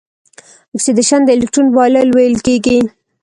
اکسیدیشن د الکترون بایلل ویل کیږي.